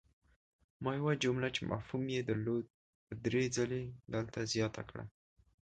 ما یوه جمله چې مفهوم ېې درلود په دري ځلې دلته زیاته کړه!